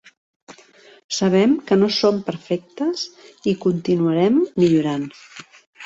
Sabem que no som perfectes i continuarem millorant.